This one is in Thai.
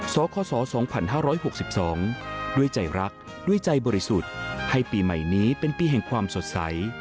สคศ๒๕๖๒ด้วยใจรักด้วยใจบริสุทธิ์ให้ปีใหม่นี้เป็นปีแห่งความสดใส